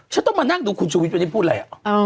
ฉันต้องมานั่งดูคุณชูวิทย์วันนี้พูดอะไร